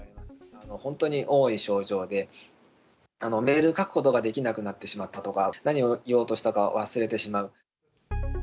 本当に多い症状で、メール書くことができなくなってしまったとか、何を言おうとしたか忘れてしまう。